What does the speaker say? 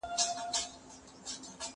هغه وويل چي چپنه ضروري ده!